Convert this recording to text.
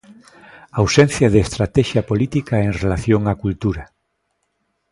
Ausencia de estratexia política en relación á cultura.